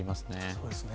そうですね。